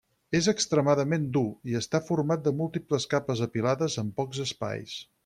És extremament dur, i està format de múltiples capes apilades amb pocs espais.